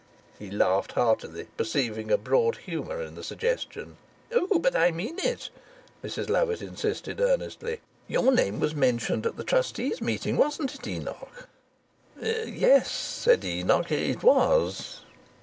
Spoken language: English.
He laughed heartily, perceiving a broad humour in the suggestion. "Oh, but I mean it," Mrs Lovatt insisted earnestly. "Your name was mentioned at the trustees' meeting, wasn't it, Enoch?" "Yes," said Lovatt, "it was."